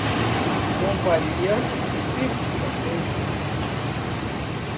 Companhia Espíritossantense